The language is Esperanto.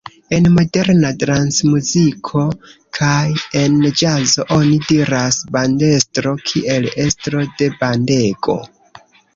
En moderna dancmuziko kaj en ĵazo oni diras bandestro kiel estro de bandego.